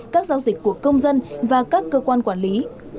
các giao dịch của công dân và các cơ quan quản lý